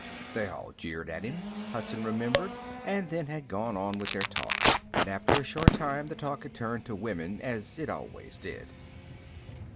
They all jeered at him, Hudson remembered, and then had gone on with their talk. And after a short while, the talk had turned to women, as it always did.